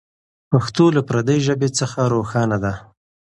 پښتو له پردۍ ژبې څخه روښانه ده.